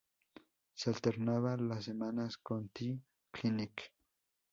Se alternaba las semanas con The Clinic.